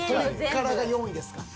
鶏唐が４位ですか。